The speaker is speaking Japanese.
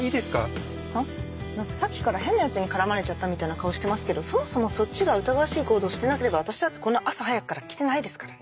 何かさっきから変なヤツに絡まれちゃったみたいな顔してますけどそもそもそっちが疑わしい行動してなければ私だってこんな朝早くから来てないですからね。